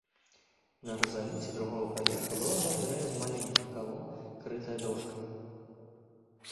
На рызаліце другога паверха была галерэя з маленькіх калон, крытая дошкамі.